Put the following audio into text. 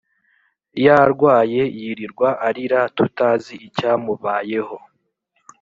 Yarwaye yirirwa arira tutazi icyamubayeho